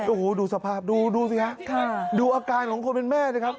โอ้โหดูสภาพดูดูสิฮะดูอาการของคนเป็นแม่นะครับ